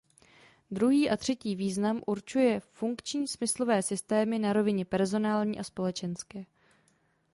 Druhý a třetí význam určuje funkční smyslové systémy na rovině personální a společenské.